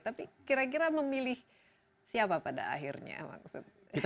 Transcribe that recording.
tapi kira kira memilih siapa pada akhirnya maksud